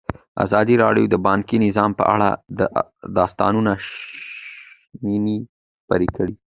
ازادي راډیو د بانکي نظام په اړه د استادانو شننې خپرې کړي.